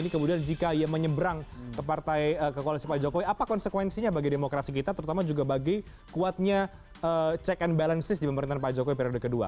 kemudian jika ia menyeberang ke partai ke koalisi pak jokowi apa konsekuensinya bagi demokrasi kita terutama juga bagi kuatnya check and balances di pemerintahan pak jokowi periode kedua